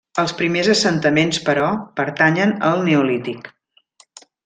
Els primers assentaments, però, pertanyen al Neolític.